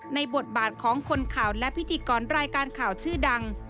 บทบาทของคนข่าวและพิธีกรรายการข่าวชื่อดัง